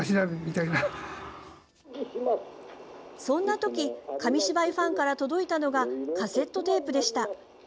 そんなとき紙芝居ファンから届いたのがカセットテープでした。